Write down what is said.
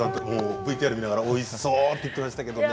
ＶＴＲを見ながらおいしそうと言ってましたね。